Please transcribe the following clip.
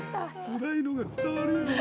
つらいのが伝わるよ。